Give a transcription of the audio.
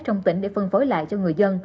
trong tỉnh để phân phối lại cho người dân